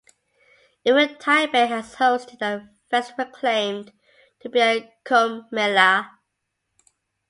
Even Tibet has hosted a festival claimed to be a Kumbh Mela.